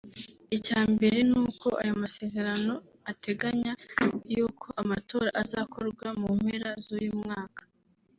Icya mbere n’uko ayo masezerano ateganya yuko amatora azakorwa mu mpera z’uyu mwaka